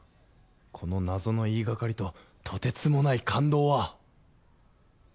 この謎の言いがかりととてつもない感動は！